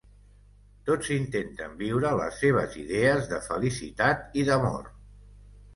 Tots intenten viure les seves idees de felicitat i d'amor.